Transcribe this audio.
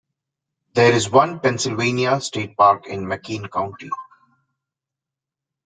There is one Pennsylvania state park in McKean County.